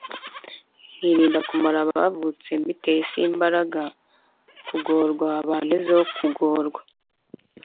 Nkirinda kumwara Abavutse mbiteye Simbaraga kugorwa Bantezeho kugororwa ?